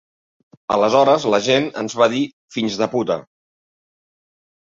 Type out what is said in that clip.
Aleshores l’agent ens va dir “fills de puta”.